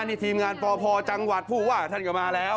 นี่ทีมงานปพจังหวัดผู้ว่าท่านก็มาแล้ว